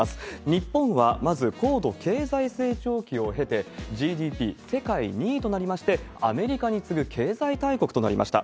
日本はまず、高度経済成長期を経て、ＧＤＰ世界２位となりまして、アメリカに次ぐ経済大国となりました。